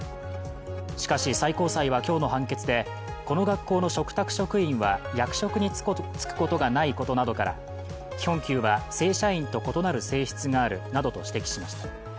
しかし、最高裁は今日の判決でこの学校の嘱託職員は役職に就くことがないことなどから基本給は正社員と異なる性質があるなどと指摘しました。